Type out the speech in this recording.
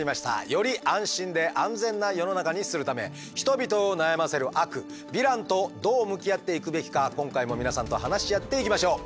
より安心で安全な世の中にするため人々を悩ませる悪ヴィランとどう向き合っていくべきか今回も皆さんと話し合っていきましょう。